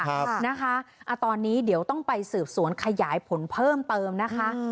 ครับนะคะตอนนี้เดี๋ยวต้องไปสืบสวนขยายผลเพิ่มเติมนะคะ